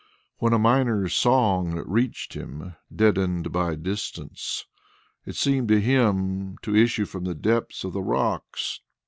When a miner's song reached him, deadened by distance, it seemed to him to issue from the depths of the rocks.